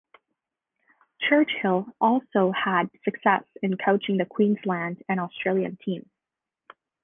Churchill also had success in coaching the Queensland and Australian teams.